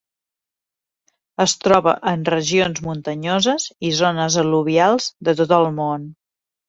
Es troba en regions muntanyoses i zones al·luvials de tot el món.